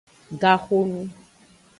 Gaxonu.